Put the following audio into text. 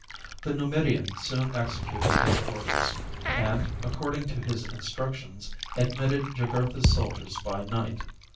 The Numidian soon executed his orders, and, accord ing to his instructions, admitted Jugurtha's soldiers by night.